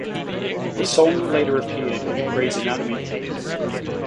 The song later appeared in "Grey's Anatomy".